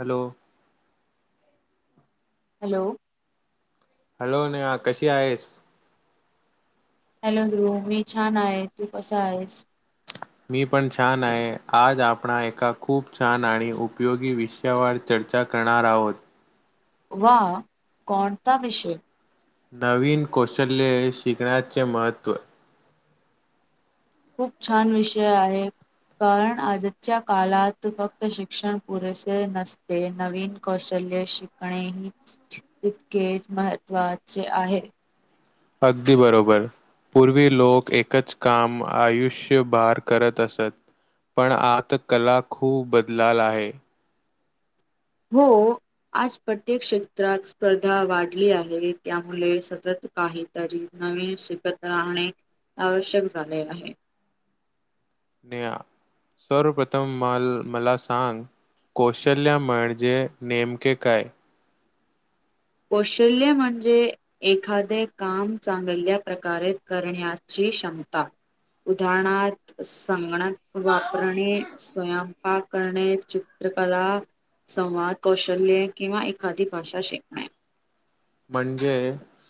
Hello. Hello. Hello. Neha कशी आहेस? Hello. Dhruv मी छान आहे. तू कस आहेस? मी पण छान आहे. आज आपणा एका खूप छान आणि उपयोगी विषयावर चर्चा करणार आहोत. वा! कोणता विषय? नवीन कौशल्ये शिकण्याचे महत्त्व. खूप छान विषय आहे. कारण आजच्या कालात फक्त शिक्षण पुरेसे नसते नवीन कौशल्य शिकणे हे तितकेच महत्त्वाचे आहे. अगदी बरोबर पूर्वी लोक एकच काम आयुष्यभार करत असत पण आता कला खूप बदलाल आहे हो आज प्रत्येक क्षेत्रात स्पर्धा वाढली आहे त्यामुळे सतत काहीतरी नवीन शिकत राहणे आवश्यक झाले आहे नेहा सर्वप्रथम मला सांग कौशल्या म्हणजे नेमके काय कौशल्य म्हणजे एखादे काम चांगल्या प्रकारे करण्याची क्षमता उदाहरणारथ संगणक वापरणेस्वयंम पाक करणे चित्रकला संवाद कौशल्ये किंवा एखादी भाषा शिकणे म्हणजे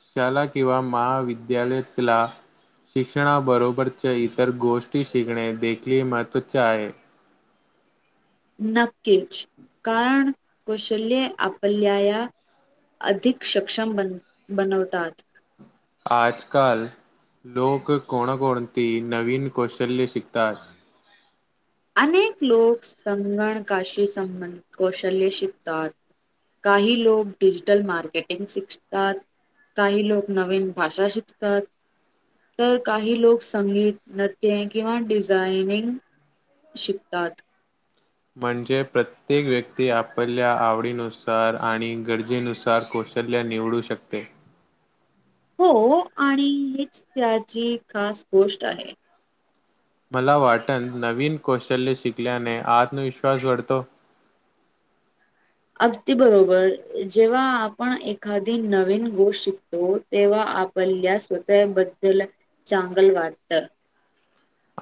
शाळा किंवा महाविद्यालयातला शिक्षणाबरोबरच्या इतर गोष्टी शिकणे देखील महत्त्वाचे आहे नक्कीच कारण कौशल्य आपल्याया अधिक सक्षम बन बनवतात आजकाल लोक कोणकोणती नवीन कौशल्य शिकतात अनेक लोक संगणकाशी संबंध कौशल्ये शिकतात काही लोक डिजिटल मार्केटिंग शिकतात काही लोक नवीन भाषा शिकतात तर काही लोक संगीत नृत्य किंवा डिझायनिंग शिकतात म्हणजे प्रत्येक व्यक्ती आपल्या आवडीनुसार आणि गरजेनुसार कौशल्या्य निवडू शकते हो आणि हीच त्याची खास गोष्ट आहे मला वाटण नवीन कौशल्य शिकल्याने आत्मविश्वास वाढतो अगदी बरोबर जेव्हा आपण एखादी नवीन गोष्ट शिकतो तेव्हा आपल्यास स्वतःबद्दल चांगल वाटतं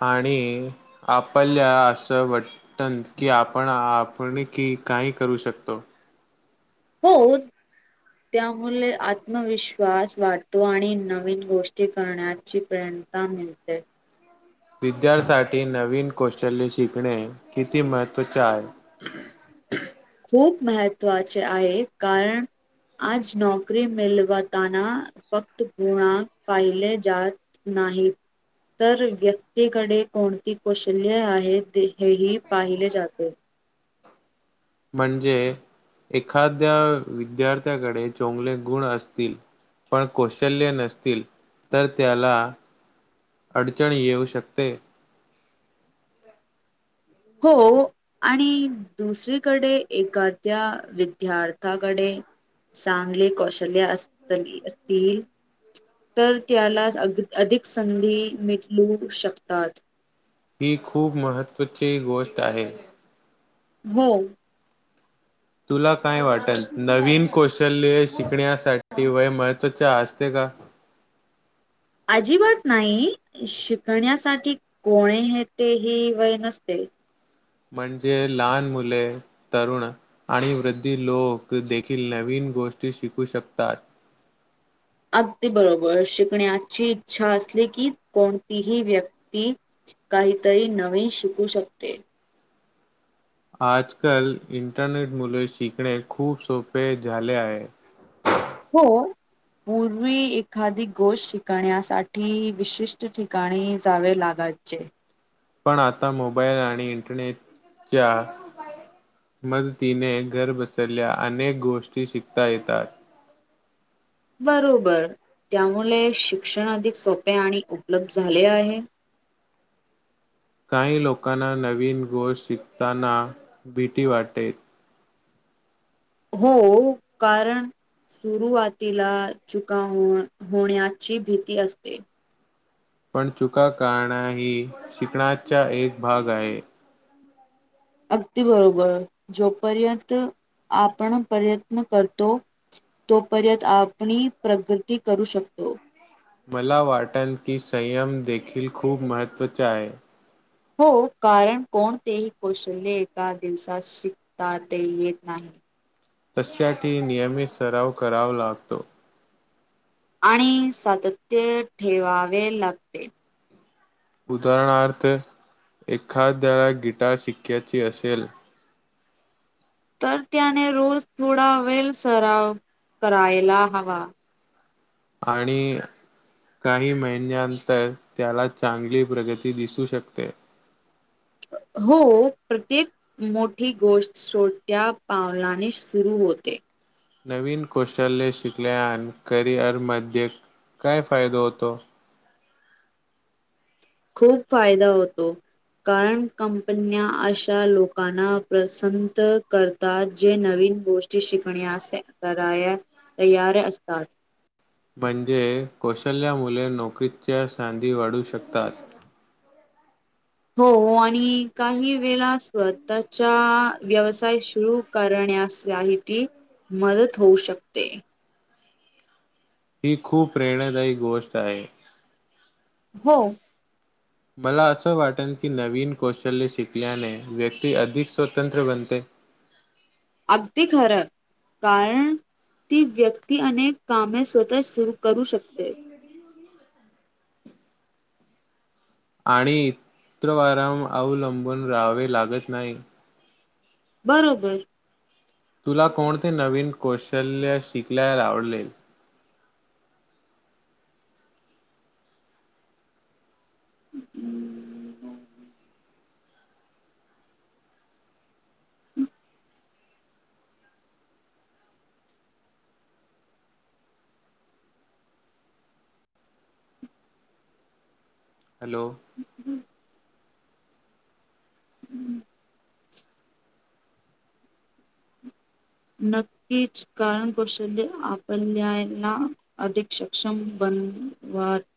आणि आपल्या असं वाटन की आपण आपण की काही करू शकतो हो त्यामुळे आत्मविश्वास वाढतो आणि नवीन गोष्टी करण्याची प्रेरणा मिळते विद्यार्थ्यांसाठी नवीन कौशल्य शिकणे किती महत्त्वाचे आहे खूप महत्त्वाचे आहे कारण आज नोकरी मिळवताना फक्त गुण पाहिले जात नाहीत तर व्यक्तीकडे कोणती कौशल्ये आहेत हेही पाहिले जाते म्हणजे एखाद्या विद्यार्थ्याकडे चोंगले गुण असतील पण कौशल्य नसतील तर त्याला अडचण येऊ शकते हो आणि दुसरीकडे एखाद्या विद्यार्थ्याकडे चांगले कौशल्य अस असतील तर त्याला अ अधिक संधी मिटलू शकतात ही खूप महत्त्वाची गोष्ट आहे हो तुला काय वाटेल नवीन कौशल्ये शिकण्यासाठी वय महत्त्वाचे असते का अजिबात नाही. शिकण्यासाठी कोणतेही वय नसते. म्हणजे लहान मुले तरुण आणि वृद्धी लोक देखील नवीन गोष्टी शिकू शकतात. अगदी बरोबर.. शिकण्याची इच्छा असली की कोणतीही व्यक्ती काहीतरी नवीन शिकू शकते. आजकाल इंटरनेट मुल शिकणे खूप सोपे झाले आहे. हो.. पूर्वी एखादी गोष्ट शिकण्यासाठी विशिष्ट ठिकाणी जावे लागायचे. पण आता मोबाईल आणि इंटरनेटच्या मदतीने घर बसल्या अनेक गोष्टी शिकता येतात. बरोबर.. त्यामुळे शिक्षण अधिक सोपे आणि उपलब्ध झाले आहे. काही लोकांना नवीन गोष्ट शिकताना भीती वाटे. हो.. कारण सुरुवातीला चुका होण्याची भीती असते. पण चुका काणा ही शिकण्याचा एक भाग आहे. अगदी बरोबर.. जोपर्यंत आपण प्रयत्न करतो. तोपर्यंत आपनी प्रगती करू शकतो. मला वाटल की संयम देखील खूप महत्त्वचा आहे. हो.. कारण कोणतेही कौशल्य एका दिवसात शिकतात येत नाही. तशासाठी नियमित सराव करावा लागतो. आणि सातत्य ठेवावे लागते. उदाहरणार्थ.. एखाद्या गिटार शिकाची असेल? तर त्याने रोज थोडा वेळ सराव करायला हवा. आणि काही महिन्यांतर त्याला चांगली प्रगती दिसू शकते. हो.. प्रत्येक मोठी गोष्ट सोट्या पावलाने सुरू होते. नवीन कौशल्य शिकल्यान करिअरमध्ये काय फायदा होतो? खूप फायदा होतो. कारण कंपन्या अशा लोकांना प्रसंत करतात. जे नवीन गोष्टी शिकण्यास कराया तयार असतात. म्हणजे कौशल्या मुले नोकरीच्या संधी वाढू शकतात. हो आणि काही वेळा स्वतःचा व्यवसाय सुरू करण्यासाठी मदत होऊ शकते. ही खूप प्रेरणादायी गोष्ट आहे. हो. मला असं वाटल की नवीन कौशल्य शिकल्याने व्यक्ती अधिक स्वतंत्र बनते. अगदी खरं कारण ती व्यक्ती अनेक कामे स्वतःच सुरू करू शकते. आणि [unintelligible] अवलंबून राहावे लागत नाही. बरोबर. तुला कोणते नवीन कौशल्य शिकल्याला आवडलेल? [inaudible] हॅलो? [inaudible] नक्कीच कारण कौशल्य आपल्याला अधिक सक्षम बनवत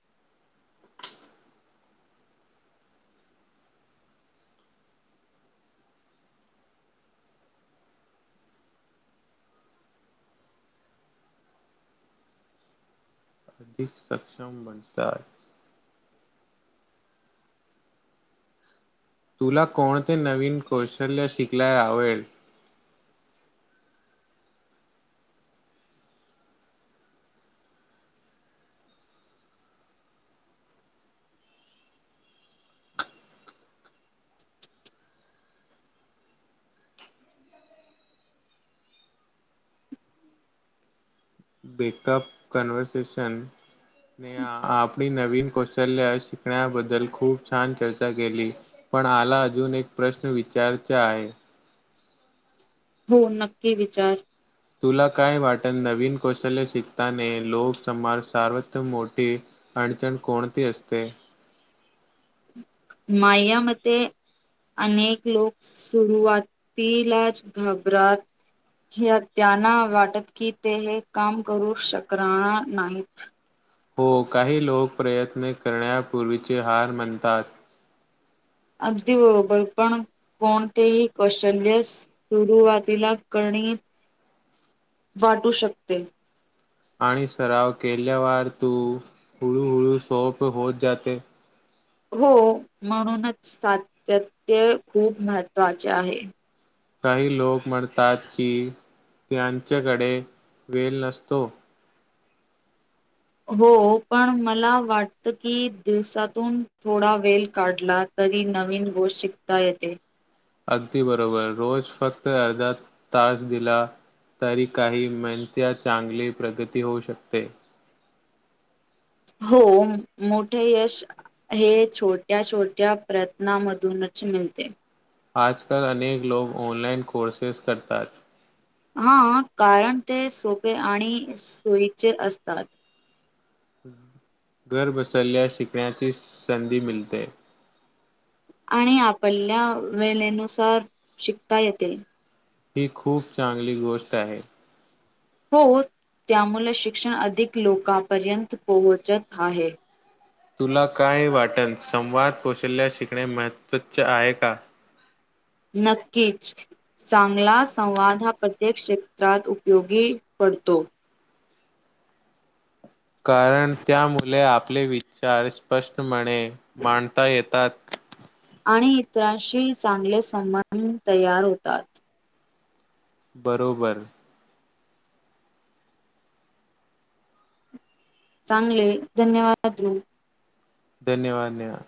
अधिक सक्षम बनतात. तुला कोणते नवीन कौशल्य शिकल्या आवेल? बेकअप कन्व्हर्सेशन ने आपली नवीन कौशल्य शिकण्याबद्दल खूप छान चर्चा केली, पण आला अजून एक प्रश्न विचारचे आहे. हो नक्की विचार? तुला काय वाटल नवीन कौशल्य शिकताने लोक [unintelligible] सार्वत मोठी अडचण कोणती असते? माया मते अनेक लोक सुरुवातीलाच घाबरात हे त्यांना वाटत की ते हे काम करू शकणार नाहीत. हो काही लोक प्रयत्न करण्यापूर्वीचे हार म्हणतात. अगदी बरोबर, पण कोणतेही कौशल्य सुरुवातीला कनी वाटू शकते. आणि सराव केल्यावर तू हूळूहूळू सोप होत जाते. हो म्हणूनच सातत्य खूप महत्त्वाचे आहे. काही लोक म्हणतात की त्यांच्याकडे वेल नसतो. हो पण मला वाटतं की दिवसातून थोडा वेळ काढला तरी नवीन गोष्ट शिकता येते. अगदी बरोबर रोज फक्त अर्धा तास दिला तरी काही [unintelligible] चांगली प्रगती होऊ शकते. हो मोठे यश हे छोट्या छोट्या प्रयत्नामधूनच मीलते. आजकाल अनेक लोक ऑनलाइन कोर्सेस करतात. हां कारण ते सोपे आणि सोयीचे असतात. घर बसल्या शिकण्याची संधी मिळते. आणि आपल्या वेलेनुसार शिकता येते. ही खूप चांगली गोष्ट आहे. हो त्यामुले शिक्षण अधिक लोकांपर्यंत पोहोचत आहे. तुला काय वाटल संवाद कौशल्य शिकणे महत्त्वाचे आहे का? नक्कीच चांगला संवाद हा प्रत्येक क्षेत्रात उपयोगी पडतो. कारण त्या मुले आपले विचार स्पष्ट मांड मांडता येतात. [inaudible] आणि इतरांशी चांगले संबंध तयार होतात. बरोबर. चांगले धन्यवाद ध्रुव. धन्यवाद नेहा.